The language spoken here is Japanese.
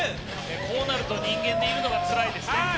こうなると人間でいるのがつらいですね。